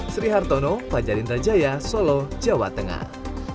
sri hartono panjarin rajaya solo jawa tengah